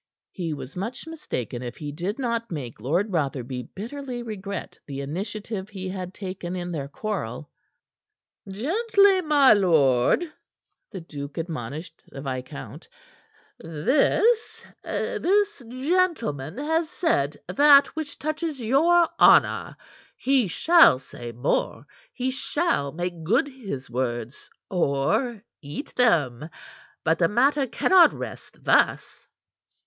He was much mistaken if he did not make Lord Rotherby bitterly regret the initiative he had taken in their quarrel. "Gently, my lord," the duke admonished the viscount. "This this gentleman has said that which touches your honor. He shall say more. He shall make good his words, or eat them. But the matter cannot rest thus."